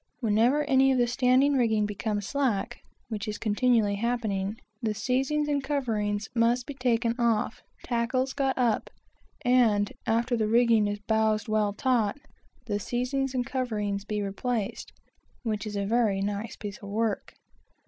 Whenever any of the standing rigging becomes slack, (which is continually happening), the seizings and coverings must be taken off, tackles got up, and after the rigging is bowsed well taut, the seizings and coverings replaced; which is a very nice piece of work.